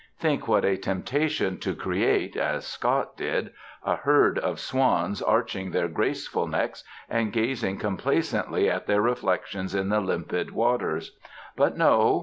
Think what a temptation to create (as Scott did) a herd of swans arching their graceful necks and gazing complacently at their reflections in the limpid waters. But no.